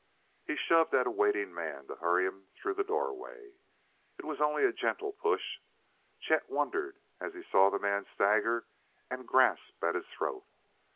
He shoved at a waiting man to hurry him through the doorway. It was only a gentle push: Chet wondered as he saw the man stagger and grasp at his throat.